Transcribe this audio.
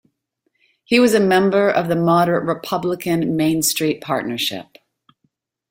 He was a member of the moderate Republican Main Street Partnership.